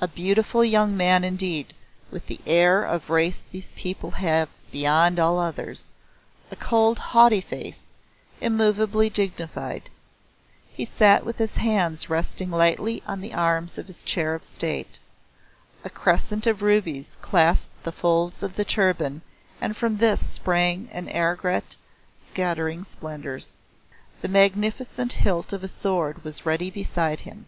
A beautiful young man indeed, with the air of race these people have beyond all others; a cold haughty face, immovably dignified. He sat with his hands resting lightly on the arms of his chair of State. A crescent of rubies clasped the folds of the turban and from this sprang an aigrette scattering splendours. The magnificent hilt of a sword was ready beside him.